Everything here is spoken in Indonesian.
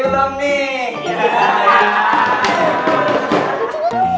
kecil banget wih